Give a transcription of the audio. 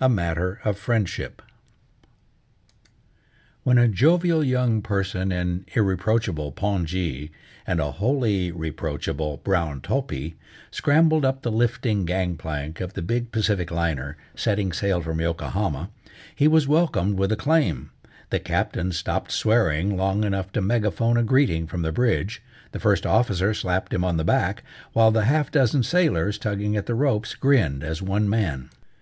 A MATTER OF FRIENDSHIP When a jovial young person in irreproachable pongee, and a wholly reproachable brown topi, scrambled up the lifting gang plank of the big Pacific liner, setting sail from Yokohama, he was welcomed with acclaim. The Captain stopped swearing long enough to megaphone a greeting from the bridge, the First Officer slapped him on the back, while the half dozen sailors, tugging at the ropes, grinned as one man.